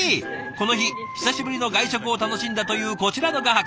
この日久しぶりの外食を楽しんだというこちらの画伯。